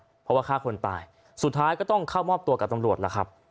เพราะว่าฆ่าคนตายสุดท้ายก็ต้องเข้ามอบตัวกับตำรวจล่ะครับ